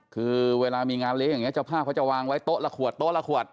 คือเวลามีงานเลี้ยงอย่างนี้เจ้าภาพเขาจะวางไว้โต๊ะละขวดโต๊ะละขวด